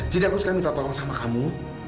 jadi aku sekarang minta tolong sama kamu